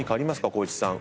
光一さん。